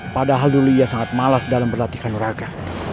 padahal dulu ia sangat malas dalam berlatihkan olahraga